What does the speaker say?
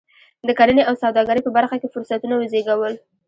د کرنې او سوداګرۍ په برخه کې فرصتونه وزېږول.